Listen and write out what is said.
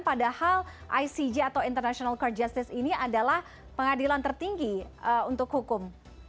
padahal icg atau international core justice ini adalah pengadilan tertinggi untuk hukum